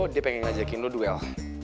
dia pengen ngajakin lu duel